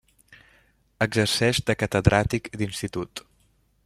Exerceix de catedràtic d'institut.